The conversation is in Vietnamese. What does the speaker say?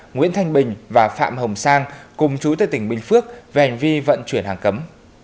nguyễn thanh bình và phạm hồng sang cùng chú tại tỉnh bình phước về hành vi vận chuyển hàng cấm